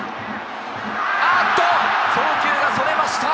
あっと、送球がそれました！